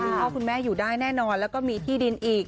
พ่อคุณแม่อยู่ได้แน่นอนแล้วก็มีที่ดินอีก